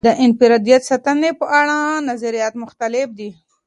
د انفرادیت ساتنې په اړه نظریات مختلف دي.